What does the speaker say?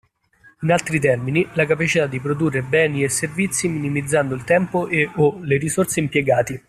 In altri termini, la capacità di produrre beni e servizi minimizzando il tempo e/o le risorse impiegati.